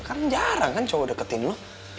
kan jarang kan cowok deketin lo